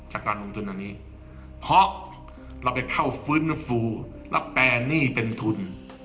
เพราะเราไปเข้าฟื้นฟูและแปรหนี้เป็นทุน